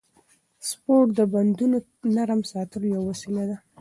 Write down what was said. سپورت د بندونو نرم ساتلو یوه وسیله ده.